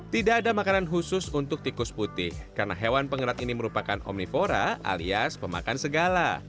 tidak ada makanan khusus untuk tikus putih karena hewan pengerat ini merupakan omnivora alias pemakan segala